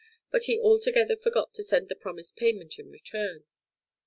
but he altogether forgot to send the promised payment in return.